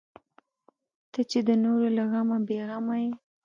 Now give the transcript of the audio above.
ته چې د نورو له غمه بې غمه یې.